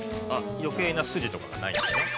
余計なスジとかがないんでね。